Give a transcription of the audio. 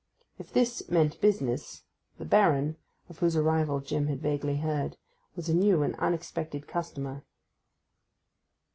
If this meant business, the Baron (of whose arrival Jim had vaguely heard) was a new and unexpected customer.